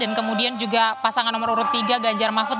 dan kemudian juga pasangan nomor urut tiga ganjar mahfud